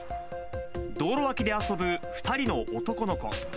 道路脇で遊ぶ２人の男の子。